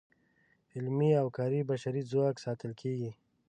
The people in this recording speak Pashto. علمي او کاري بشري ځواک ساتل کیږي.